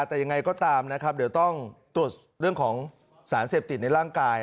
แต่ยังไงก็ตามนะครับเดี๋ยวต้องตรวจเรื่องของสารเสพติดในร่างกาย